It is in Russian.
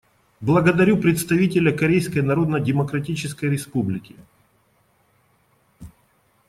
Благодарю представителя Корейской Народно-Демократической Республики.